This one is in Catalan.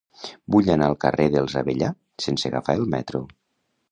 Vull anar al carrer dels Avellà sense agafar el metro.